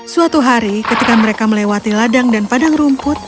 suatu hari ketika mereka melewati ladang dan padang rumput